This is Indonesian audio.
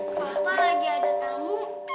bapak lagi ada tamu